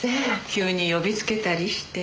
急に呼びつけたりして。